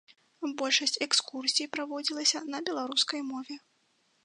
Большасць экскурсій праводзілася на беларускай мове.